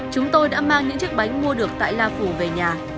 chúng tôi đã mang những chiếc bánh mua được tại la phủ về nhà